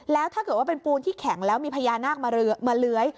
แล้วถ้าเกิดว่าเป็นปูนที่แข็งแล้วมีพญานาคมาเลื้อย